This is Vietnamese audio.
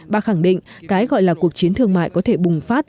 bà khẳng định cái gọi là cuộc chiến thương mại có thể bùng phát